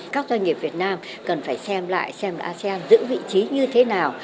các doanh nghiệp việt nam cần phải xem lại xem asean giữ vị trí như thế nào